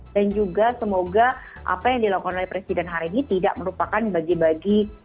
dan juga semoga apa yang dilakukan oleh presiden hari ini tidak merupakan bagi bagi